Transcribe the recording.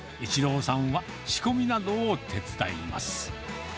初代の父、一朗さんは、仕込みなどを手伝います。